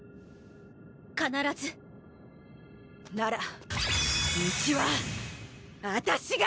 必ず。なら道は私が！